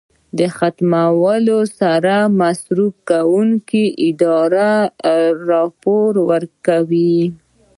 د ختمولو سره مصرفوونکې ادارې راپور ورکوي.